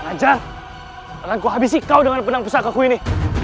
nganjar akan kuhabisin kau dengan penang besar kakakku ini